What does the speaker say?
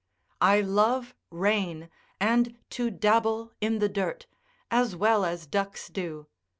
I love rain, and to dabble in the dirt, as well as ducks do.